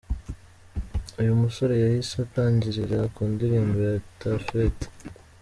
Uyu musore yahise atangirira ku ndirimbo ye Ta fête.